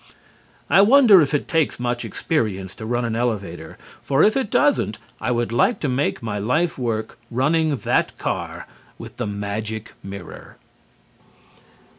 I wonder if it takes much experience to run an elevator, for if it doesn't, I would like to make my life work running that car with the magic mirror.